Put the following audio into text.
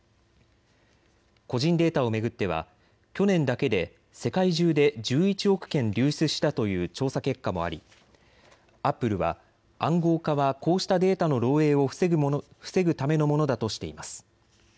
個人データを巡っては去年だけで世界中で１１億件流出したという調査結果もあり、アップルは暗号化はこうしたデータの漏えいを防ぐためのものだとしています。